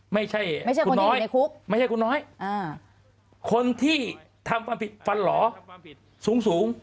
ไม่ใช่คุณน้อยไม่ใช่คุณน้อยคนที่ทำความผิดฟันหล่อสูง